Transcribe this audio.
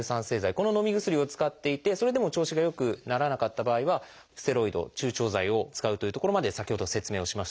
こののみ薬を使っていてそれでも調子が良くならなかった場合はステロイド注腸剤を使うというところまで先ほど説明をしました。